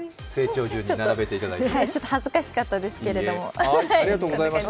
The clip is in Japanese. ちょっと恥ずかしかったですけど。